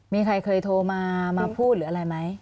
มีใครเคยโทรมามาพูดหรืออะไรไหม